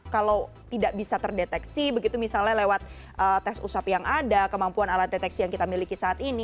kalau tidak bisa terdeteksi begitu misalnya lewat tes usap yang ada kemampuan alat deteksi yang kita miliki saat ini